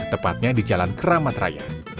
tepatnya di jalan keramat raya